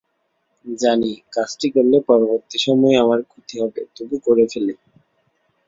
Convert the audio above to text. জানি, কাজটি করলে পরবর্তী সময়ে আমার ক্ষতি হবে, তবু করে ফেলি।